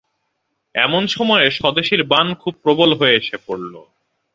এমন সময়ে স্বদেশীর বান খুব প্রবল হয়ে এসে পড়ল।